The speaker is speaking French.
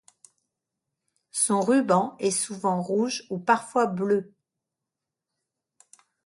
Son ruban est souvent rouge ou parfois bleu.